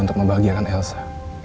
untuk membahagiakan elsa